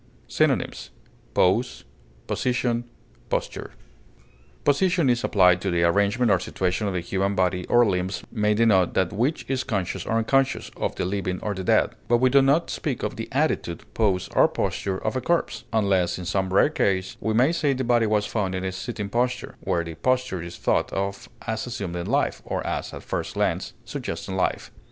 Synonyms: pose, position, posture. Position as applied to the arrangement or situation of the human body or limbs may denote that which is conscious or unconscious, of the living or the dead; but we do not speak of the attitude, pose, or posture of a corpse; unless, in some rare case, we might say the body was found in a sitting posture, where the posture is thought of as assumed in life, or as, at first glance, suggesting life.